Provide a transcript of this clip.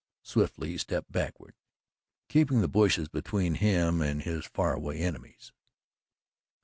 Swiftly he stepped backward, keeping the bushes between him and his far away enemies.